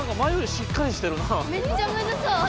めっちゃむずそう。